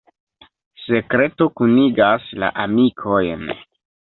Sekreto kunigas la amikojn.